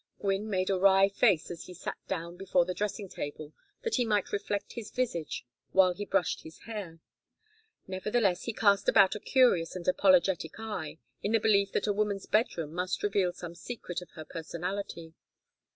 Gwynne made a wry face as he sat down before the dressing table that he might reflect his visage while he brushed his hair. Nevertheless, he cast about a curious and apologetic eye, in the belief that a woman's bedroom must reveal some secret of her personality.